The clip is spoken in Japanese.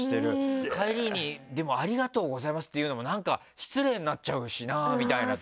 でも帰りにありがとうございましたって言うのも失礼になっちゃうしなーみたいな時。